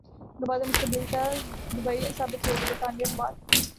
گوادر مستقبل کا دبئی ثابت ہوگا برطانوی اخبار